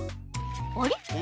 あれ？